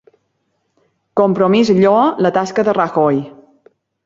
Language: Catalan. Compromís lloa la tasca de Rajoy